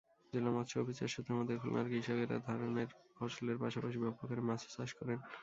জেলা মৎস্য অফিস সূত্রমতে, খুলনার কৃষকেরা ধরনের ফসলের পাশাপাশি ব্যাপকহারে মাছও চাষ করেন।